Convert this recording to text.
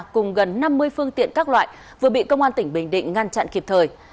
cùng gần năm mươi phương tiện các loại vừa bị công an tỉnh bình định ngăn chặn kịp thời